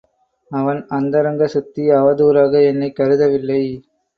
அவன் அந்தரங்க சுத்தி அவதூறாக என்னைக் கருதவில்லை.